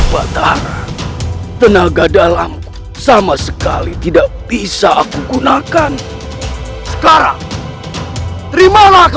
para kardec dialami lukung bukaan utak buenjujal yang sedang terluka